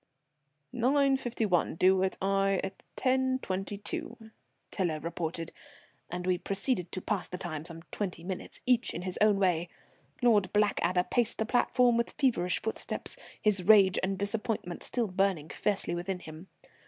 "Nine fifty one; due at Aix at 10.22," Tiler reported, and we proceeded to pass the time, some twenty minutes, each in his own way. Lord Blackadder paced the platform with feverish footsteps, his rage and disappointment still burning fiercely within him.